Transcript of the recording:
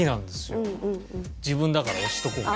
自分だから押しとこう。